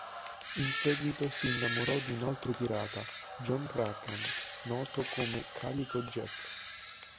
In seguito si innamorò di un altro pirata, John Rackham, noto come "Calico Jack".